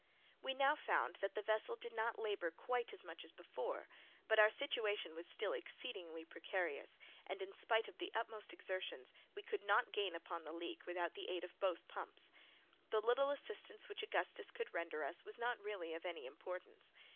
We now found that the vessel did not labour quite as much as before, but our situation was still exceedingly precarious, and in spite of the utmost exertions, we could not gain upon the leak without the aid of both pumps. The little assistance which Augustus could render us was not really of any importance.